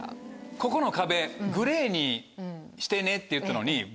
ここの壁グレーにしてねって言ったのに。